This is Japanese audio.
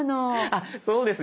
あっそうですよね。